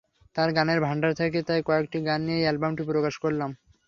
তাঁর গানের ভান্ডার থেকে তাই কয়েকটি গান নিয়ে অ্যালবামটি প্রকাশ করলাম।